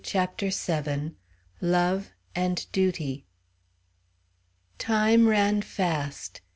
CHAPTER VII. LOVE AND DUTY. Time ran fast.